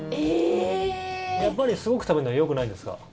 やっぱりすごく食べるのはよくないんですか？